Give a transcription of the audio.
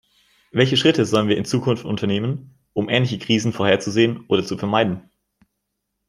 Welche Schritte sollen wir in Zukunft unternehmen, um ähnliche Krisen vorherzusehen oder zu vermeiden?